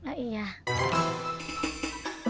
enggak ada apa apa